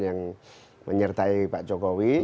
yang menyertai pak jokowi